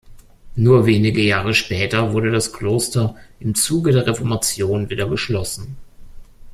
Nur wenige Jahre später wurde das Kloster im Zuge der Reformation wieder geschlossen.